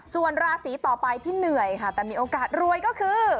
ส่วนราศีต่อไปที่เหนื่อยค่ะแต่มีโอกาสรวยก็คือ